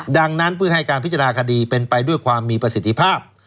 ดังนั้นเพื่อให้การพิจารณาคดีเป็นไปด้วยความมีประสิทธิภาพ